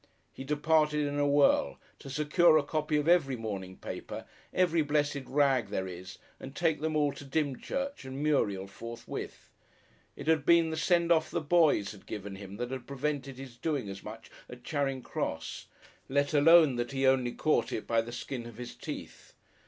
He departed in a whirl, to secure a copy of every morning paper, every blessed rag there is, and take them all to Dymchurch and Muriel forthwith. It had been the send off the Boys had given him that had prevented his doing as much at Charing Cross let alone that he only caught it by the skin of his teeth....